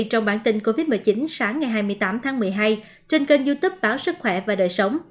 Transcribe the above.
trong bản tin covid một mươi chín sáng ngày hai mươi tám tháng một mươi hai trên kênh youtube báo sức khỏe và đời sống